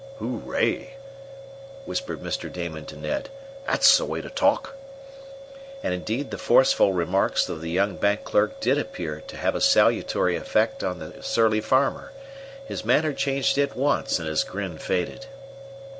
"Hurray!" whispered Mr Damon to Ned. "That's the way to talk!" And indeed the forceful remarks of the young bank clerk did appear to have a salutary effect on the surly farmer. His manner changed at once and his grin faded.